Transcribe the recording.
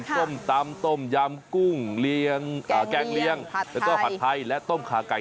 ส้มตำต้มยำกุ้งแกงเลี้ยงแล้วก็ผัดไทยและต้มขาไก่